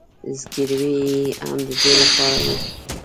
زګیروي یې هم د دې له پاره و.